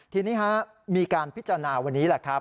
ทีนี้มีการพิจารณาวันนี้แหละครับ